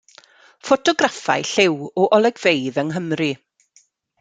Ffotograffau lliw o olygfeydd yng Nghymru.